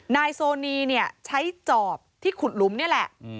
นายโซนีเนี่ยใช้จอบที่ขุดหลุมนี่แหละ